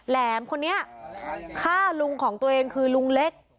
แหลมคนนี้ฆ่าลุงของตัวเองคือลุงเล็ก